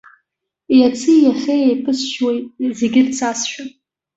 Иаци иахьеи еиԥысшьуеит зегьы рцасшәа.